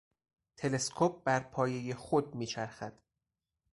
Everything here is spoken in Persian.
تلسکوپ برپایهی خود میچرخد.